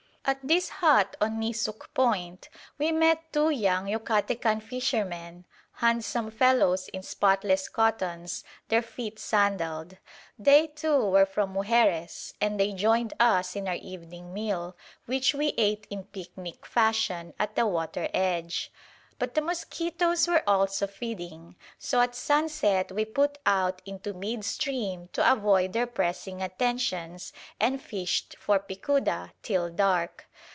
At this hut on Nisuc Point we met two young Yucatecan fishermen, handsome fellows in spotless cottons, their feet sandalled. They, too, were from Mujeres and they joined us in our evening meal, which we ate in picnic fashion at the water edge. But the mosquitoes were also feeding, so at sunset we put out into mid stream to avoid their pressing attentions, and fished for picuda till dark.